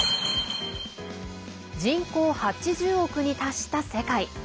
人口８０億に達した世界。